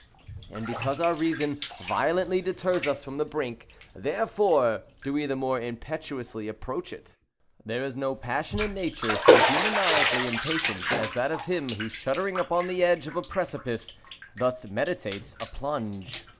And because our reason violently deters us from the brink, therefore do we the most impetuously approach it. There is no passion in nature so demoniacally impatient, as that of him who, shuddering upon the edge of a precipice, thus meditates a plunge.